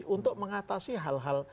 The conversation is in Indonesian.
untuk mengatasi hal hal